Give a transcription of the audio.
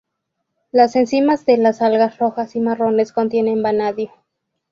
Las enzimas de las algas rojas y marrones contienen vanadio.